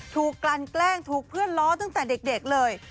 กลั่นแกล้งถูกเพื่อนล้อตั้งแต่เด็กเลย